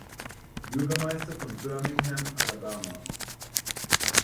Bürgermeister von Birmingham, Alabama.